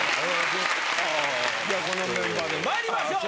このメンバーでまいりましょう。